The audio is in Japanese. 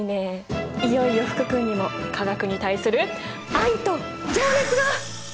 いよいよ福君にも化学に対する愛と情熱が。